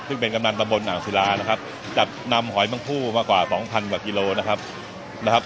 ซึ่งเป็นกำลังประมวลอ่างศิลานะครับจับนำหอยบางผู้มากว่า๒๐๐๐กว่ากิโลนะครับ